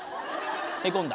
へこんだ？